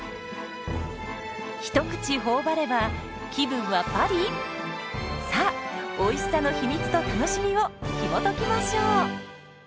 一口頬張れば気分はパリ⁉さあおいしさの秘密と楽しみをひもときましょう。